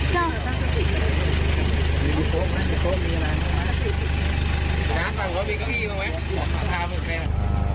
จากที่หมุดหิดอะไรอย่างเงี้ยแต่เขาไม่หา